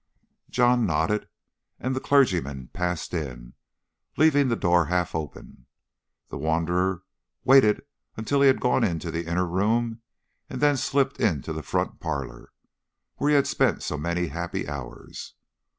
John nodded, and the clergyman passed in, leaving the door half open. The wanderer waited until he had gone into the inner room, and then slipped into the front parlour, where he had spent so many happy hours.